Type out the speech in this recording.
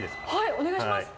お願いします。